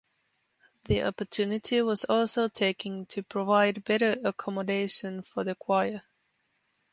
The opportunity was also taken to provide better accommodation for the choir.